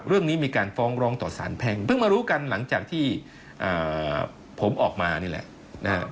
เรื่องนี้มีการฟ้องร้องต่อสารแพ่งเพิ่งมารู้กันหลังจากที่ผมออกมานี่แหละนะครับ